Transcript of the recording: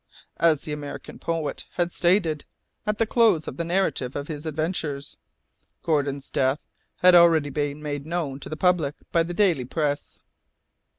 As the American poet had stated, at the close of the narrative of his adventures, Gordon's death had already been made known to the public by the daily press."